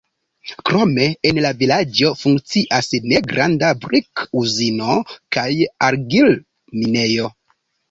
Krome en la vilaĝo funkcias negranda brik-uzino kaj argil-minejo.